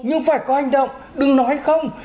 nhưng phải có hành động đừng nói không